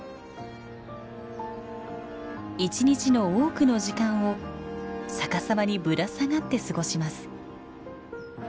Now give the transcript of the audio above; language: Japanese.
一日の多くの時間を逆さまにぶら下がって過ごします。